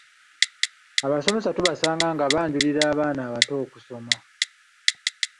Abasomesa tubasanga nga banjulira abaana abato okusoma.